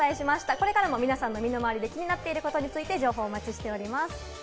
これからも皆さんの身の回りで気になっていることについて情報お待ちしております。